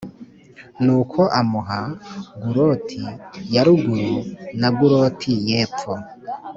nuko amuha guloti ya ruguru+ na guloti y’epfo.